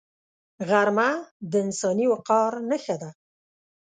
غرمه د انساني وقار نښه ده